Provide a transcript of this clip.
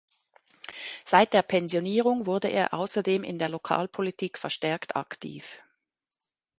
Seit der Pensionierung wurde er außerdem in der Lokalpolitik verstärkt aktiv.